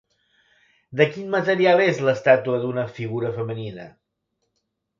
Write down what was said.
De quin material és l'estàtua d'una figura femenina?